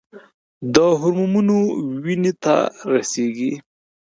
دا هورمون وینې ته رسیږي.